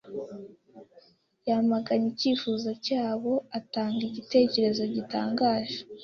Yamaganye icyifuzo cyabo atanga igitekerezo gitangaje.